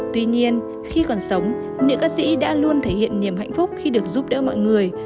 tuy nhiên khi còn sống những ca sĩ đã luôn thể hiện niềm hạnh phúc khi được giúp đỡ mọi người